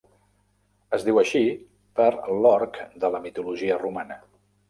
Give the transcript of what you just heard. Es diu així per l'Orc de la mitologia romana.